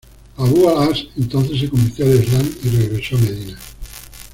Abu al-As entonces se convirtió al Islam y regresó a Medina.